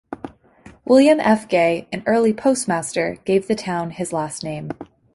William F. Gay, an early postmaster, gave the town his last name.